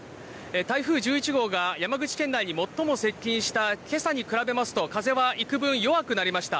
台風１１号が山口県内に最も接近した今朝に比べますと風は幾分、弱くなりました。